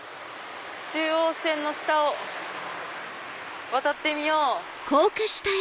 中央線の下を渡ってみよう。